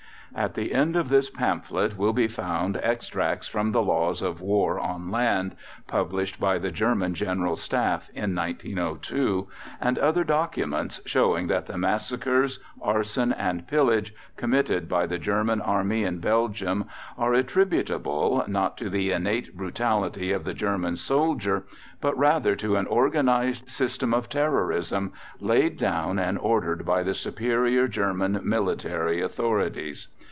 At the end of this pamphlet (page 20) will be found extracts from the "Laws of War on Land," published by the German General Staff in 1902, and other documents, showing that the massacres, arson and pillage committed by the German army in Belgium are attributable, not to the innate brutality of the German soldier, but rather to an organized system of terrorism laid down and ordered by the superior German Military authorities.